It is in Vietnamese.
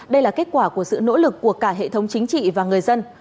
đây là kết quả của sự nỗ lực của cả hệ thống chính trị và người dân